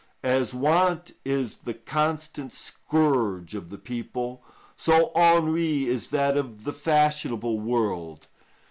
As want is the constant scourge of the people, so ennui is that of the fashionable world.